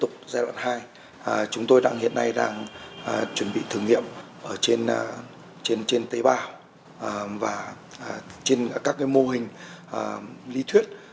chúng tôi hiện nay đang chuẩn bị thử nghiệm trên tế bào và trên các mô hình lý thuyết